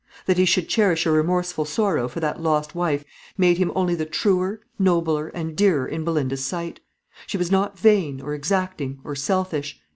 That he should cherish a remorseful sorrow for that lost wife, made him only the truer, nobler, and dearer in Belinda's sight. She was not vain, or exacting, or selfish.